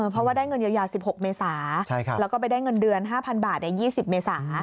เพราะว่าได้เงินเยียวยา๑๖เมษาแล้วก็ไปได้เงินเดือน๕๐๐บาท๒๐เมษา